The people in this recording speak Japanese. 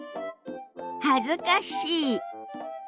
恥ずかしい。